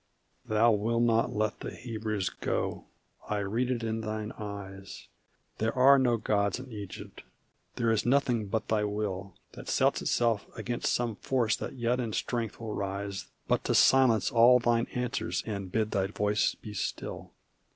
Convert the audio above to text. "Thou wilt not let the Hebrews go I read it in thine eyes There are no gods in Egypt there is nothing but thy Will That sets itself against some force that yet in Strength will rise But to silence all thine answers and bid thy voice be still."